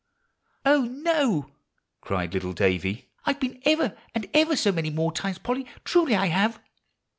"Oh, oh!" cried little Davie, "I've been ever and ever so many more times, Polly; truly I have."